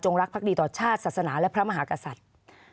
รักภักดีต่อชาติศาสนาและพระมหากษัตริย์